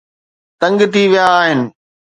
تنگ ٿي ويا آهن